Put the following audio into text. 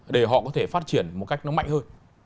để họ có thể phát triển một cách nó mạnh hơn